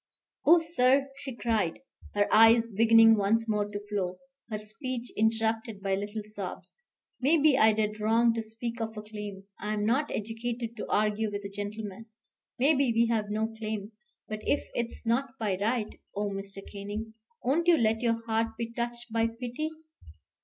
"Oh, sir," she cried, her eyes beginning once more to flow, her speech interrupted by little sobs. "Maybe I did wrong to speak of a claim. I'm not educated to argue with a gentleman. Maybe we have no claim. But if it's not by right, oh, Mr. Canning, won't you let your heart be touched by pity?